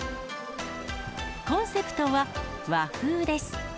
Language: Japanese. コンセプトは、和風です。